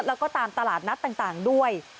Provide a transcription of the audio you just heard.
แล้วก็ตามตลาดนัดต่างด้วย